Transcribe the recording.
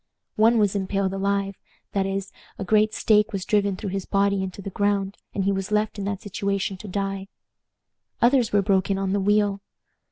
One was impaled alive; that is, a great stake was driven through his body into the ground, and he was left in that situation to die. Others were broken on the wheel.